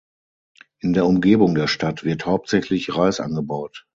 In der Umgebung der Stadt wird hauptsächlich Reis angebaut.